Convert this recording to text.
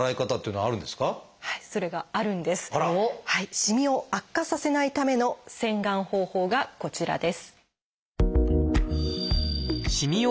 しみを悪化させないための洗顔方法がこちらです。